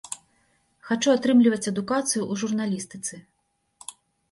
Хачу атрымліваць адукацыю ў журналістыцы.